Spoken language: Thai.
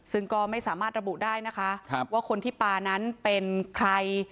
ซึ่งก็ไม่สามารถระบุได้นะคะว่าคนที่ปลานั้นเป็นใคร